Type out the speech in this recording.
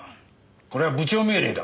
これは部長命令だ。